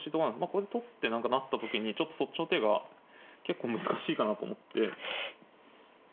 これで取って成った時にちょっとそっちの手が結構難しいかなと思って。